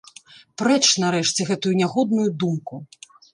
Прэч, нарэшце, гэтую нягодную думку.